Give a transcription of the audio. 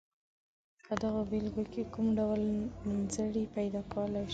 په دغو بېلګو کې کوم ډول نومځري پیداکولای شئ.